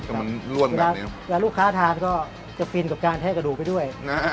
จะมันร่วนแบบนี้แล้วลูกค้าทานก็จะฟินกับการแทะกระดูกไปด้วย